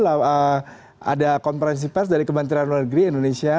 ada konferensi pers dari kementerian luar negeri indonesia